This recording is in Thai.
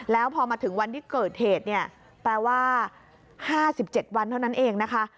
แล้วพอมาถึงวันที่เกิดเหตุเนี่ยแปลว่า๕๗วันเท่านั้นเองนะคะ